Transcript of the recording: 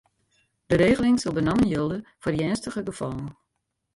De regeling sil benammen jilde foar earnstige gefallen.